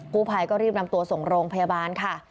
ผู้ภัยก็รีบนำตัวส่งโรงพยาบาลค่ะ